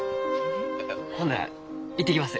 ほんなら行ってきます。